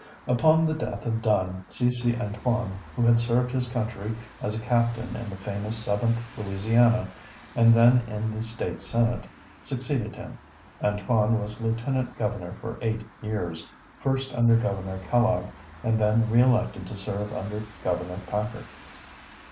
Upon the death of Dunn, C. C. Antoine, who had served his country as a captain in the famous Seventh Louisiana, and then in the State Senate, succeeded him. Antoine was Lieutenant Governor for eight years, first under Governor Kellogg, and then re elected to serve under Governor Packard.